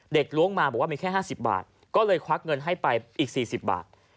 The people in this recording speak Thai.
ล้วงมาบอกว่ามีแค่๕๐บาทก็เลยควักเงินให้ไปอีก๔๐บาท